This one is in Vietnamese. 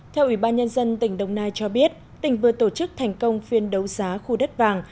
theo ủy ban nhân dân tỉnh đồng nai cho biết tỉnh vừa tổ chức thành công phiên đấu giá khu đất vàng